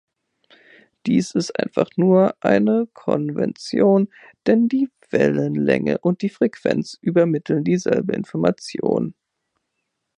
Dies ist einfach nur eine Konvention, denn die Wellenlänge und die Frequenz übermitteln dieselbe Information.